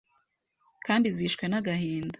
kandi zishwe n’agahinda.